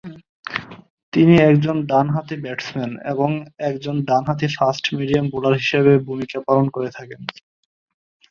তিনি একজন ডান-হাতি ব্যাটসম্যান এবং একজন ডান-হাতি ফাস্ট মিডিয়াম বোলার হিসেবে ভূমিকা পালন করে থাকেন।